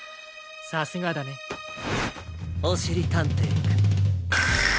さすがだねおしりたんていくん。